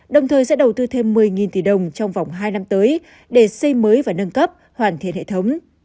đồng thời sẽ đầu tư thêm một mươi tỷ đồng trong vòng hai năm tới để xây mới và nâng cấp hoàn thiện hệ thống